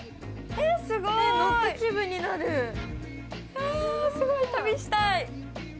あすごい旅したい。